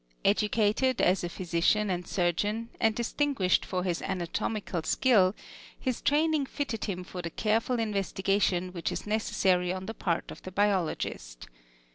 Educated as a physician and surgeon and distinguished for his anatomical skill, his training fitted him for the careful investigation which is necessary on the part of the biologist.